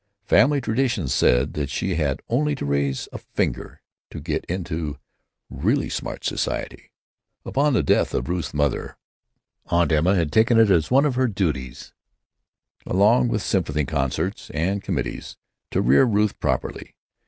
Family tradition said that she had only to raise a finger to get into really smart society. Upon the death of Ruth's mother, Aunt Emma had taken it as one of her duties, along with symphony concerts and committees, to rear Ruth properly.